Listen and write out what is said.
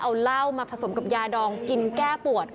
เอาเหล้ามาผสมกับยาดองกินแก้ปวด